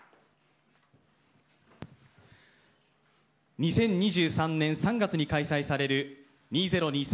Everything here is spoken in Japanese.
２０２３年３月に開催される２０２３